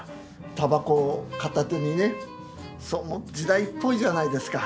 タバコを片手にね。時代っぽいじゃないですか。